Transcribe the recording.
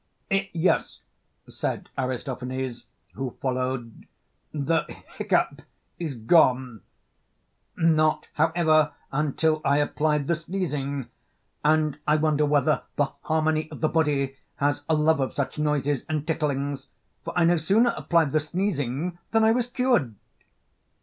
Yes, said Aristophanes, who followed, the hiccough is gone; not, however, until I applied the sneezing; and I wonder whether the harmony of the body has a love of such noises and ticklings, for I no sooner applied the sneezing than I was cured.